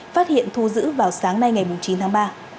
phát hiện thu giữ vào sáng nay ngày chín tháng ba